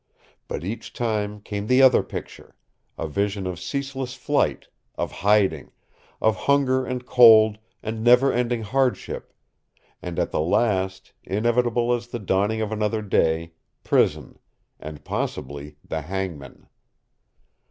But each time came the other picture a vision of ceaseless flight, of hiding, of hunger and cold and never ending hardship, and at the last, inevitable as the dawning of another day prison, and possibly the hangman.